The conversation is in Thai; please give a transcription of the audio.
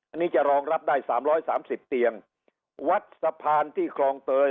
อันนี้จะรองรับได้สามร้อยสามสิบเตียงวัดสะพานที่คลองเตย